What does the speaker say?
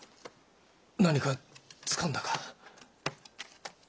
何かつかんだか？